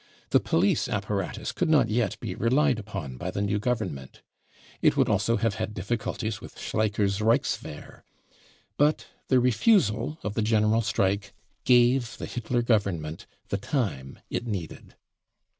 The police apparatus could not yet be relied upon by the new Gov ernment. It would also have had difficulties with Schlei cher's Reichswehr. But the refusal of the general strike gave the Hitler Government the time it needed.